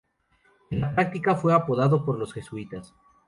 En la práctica, fue adoptado por los jesuitas.